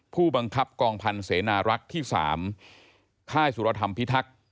ผู้บังคับกองพันธ์เสนารักษ์ที่๓ค่ายสุรธรรมพิทักษ์